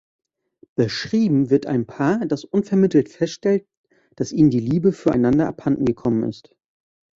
Beschrieben wird ein Paar, das unvermittelt feststellt, dass ihnen die Liebe füreinander abhandengekommen ist.